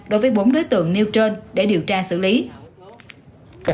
đối với bốn đối tượng nêu trên để điều tra xử lý